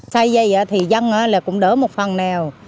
xây dây thì dân cũng đỡ một phần nào